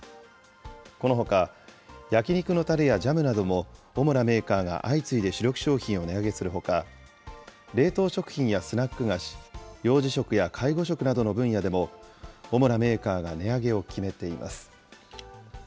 このほか、焼き肉のたれやジャムなども主なメーカーが相次いで主力商品を値上げするほか、冷凍食品やスナック菓子、幼児食や介護食などの分野でも、主なメーカーが値上げを決めています。